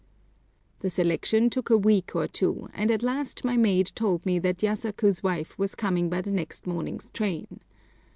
The selection took a week or two, and at last my maid told me that Yasaku's wife was coming by the next morning's train.